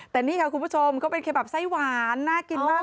แต่นี่ค่ะคุณผู้ชมก็เป็นแค่แบบไส้หวานน่ากินมาก